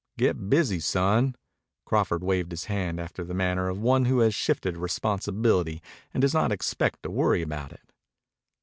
Get busy, son." Crawford waved his hand after the manner of one who has shifted a responsibility and does not expect to worry about it.